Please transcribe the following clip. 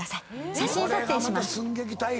写真撮影します。